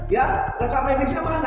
ya rekam medisnya mana